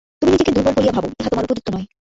তুমি নিজেকে দুর্বল বলিয়া ভাব, ইহা তোমার উপযুক্ত নয়।